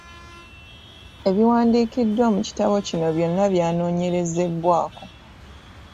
Ebiwandiikiddwa mu kitabo kino byonna byanoonyerezebwako.